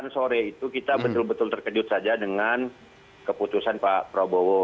sembilan sore itu kita betul betul terkejut saja dengan keputusan pak prabowo